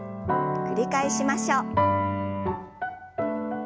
繰り返しましょう。